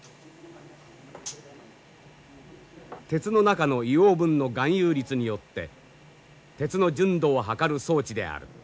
鉄の中の硫黄分の含有率によって鉄の純度を測る装置である。